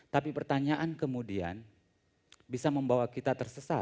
tapi pertanyaan kemudian bisa membawa kita tersesat